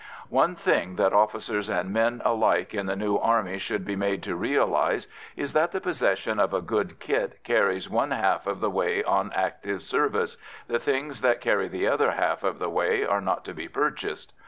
One thing that officers and men alike in the new army should be made to realise is that the possession of a good kit carries one half of the way on active service the things that carry the other half of the way are not to be purchased.